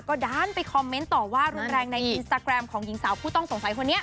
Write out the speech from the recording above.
ก็ด้านไปคอมเมนต์ต่อว่ารุนแรงในอินสตาแกรมของหญิงสาวผู้ต้องสงสัยคนนี้